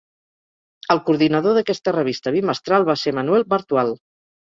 El coordinador d'aquesta revista bimestral va ser Manuel Bartual.